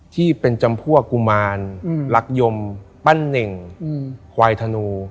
ที่เป็นจำพวกกุมารรักยมปั้นเน่งควายธนู